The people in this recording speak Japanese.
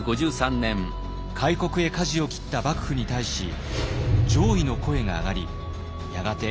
開国へかじを切った幕府に対し攘夷の声が上がりやがて